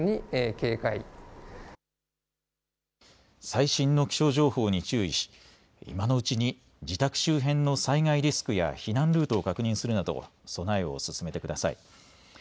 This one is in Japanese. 最新の気象情報に注意し今のうちに自宅周辺の災害リスクや避難ルートを確認するなど備えを進めてください。